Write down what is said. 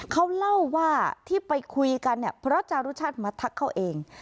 เขาเล่าว่าที่ไปคุยกันเนี่ยเพราะจารุชาติมาทักเขาเอง